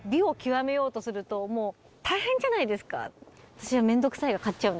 私は。